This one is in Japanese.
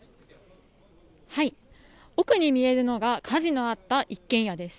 奥に見えるのが火事のあった一軒家です